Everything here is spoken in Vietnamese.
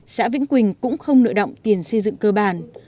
xã vĩnh quỳnh cũng không nợ động tiền xây dựng cơ bản